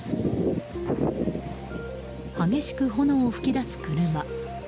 激しく炎を噴き出す車。